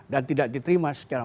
dan tidak diterima